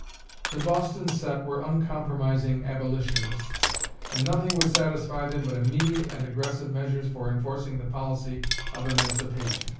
The "Boston set" were uncompromising abolitionists, and nothing would satisfy them but immediate and aggressive measures for enforcing the policy of emancipation.